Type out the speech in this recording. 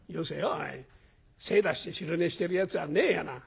精出して昼寝してるやつはねえやな」。